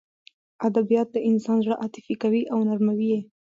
ادبیات د انسان زړه عاطفي کوي او نرموي یې